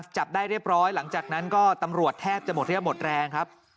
จับได้เรียบร้อยหลังจากนั้นก็ตำรวจแทบจะหมดเรี่ยวหมดแรงครับ